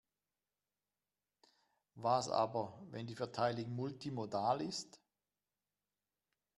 Was aber, wenn die Verteilung multimodal ist?